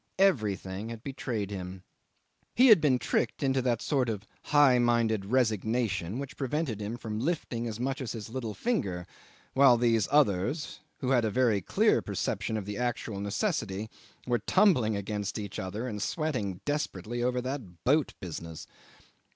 Everything had betrayed him! He had been tricked into that sort of high minded resignation which prevented him lifting as much as his little finger, while these others who had a very clear perception of the actual necessity were tumbling against each other and sweating desperately over that boat business.